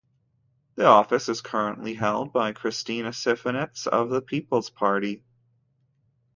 The office is currently held by Cristina Cifuentes of the People's Party.